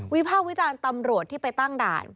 ภาควิจารณ์ตำรวจที่ไปตั้งด่าน